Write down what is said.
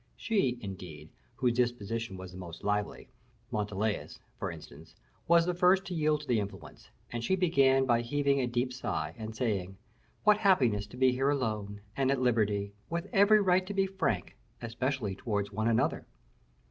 She, indeed, whose disposition was the most lively, Montalais, for instance, was the first to yield to the influence; and she began by heaving a deep sigh, and saying: "What happiness to be here alone, and at liberty, with every right to be frank, especially towards one another."